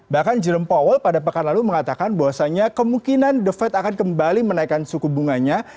bahkan jerome powell pada pekan lalu mengatakan bahwasannya kemungkinan the fed akan kembali menaikkan suku bunganya